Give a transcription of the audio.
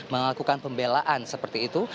melakukan pembelaan seperti itu